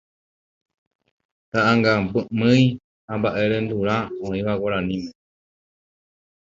Ta'ãngamýi ha mba'erendurã oĩva guaraníme